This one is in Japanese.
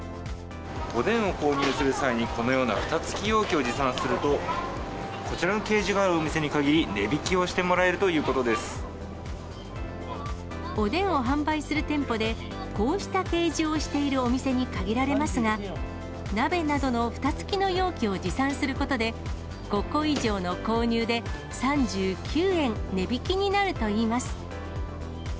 おでんを購入する際に、このようなふた付き容器を持参すると、こちらの掲示があるお店に限り、値引きをしてもらえるということおでんを販売する店舗で、こうした掲示をしているお店に限られますが、鍋などのふた付きの容器を持参することで、５個以上の購入で３９円値引きになるといいます。